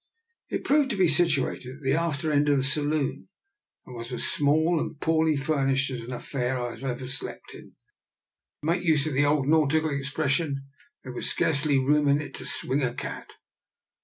It proved to be situated at the after end of the saloon, and was as small and poor ly furnished an affair as I have ever slept in. To make use of the old nautical expression, there was scarcely room in it to swing a cat.